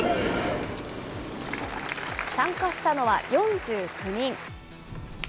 参加したのは４９人。